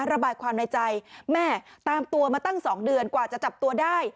ระบายความในใจแม่ตามตัวมาตั้ง๒เดือนกว่าจะจับตัวได้